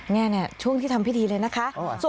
นี่ช่วงที่ทำพิธีเลยนะคะ